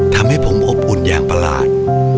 ทำให้ผมอบอุ่นอย่างประหลาด